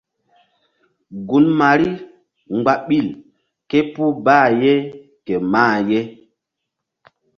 Gun Mari mgba ɓil ké puh bqh ye ke mah ye.